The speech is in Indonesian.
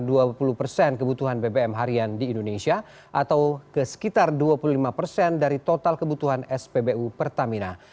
ada dua puluh persen kebutuhan bbm harian di indonesia atau ke sekitar dua puluh lima persen dari total kebutuhan spbu pertamina